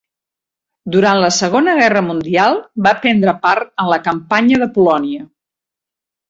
Durant la Segona Guerra Mundial va prendre part en la Campanya de Polònia.